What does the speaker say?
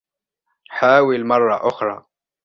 حاول مرة أخرى.